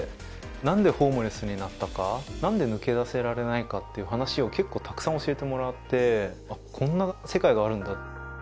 なんでホームレスになったかなんで抜け出せられないかっていう話を結構たくさん教えてもらってあっこんな世界があるんだ。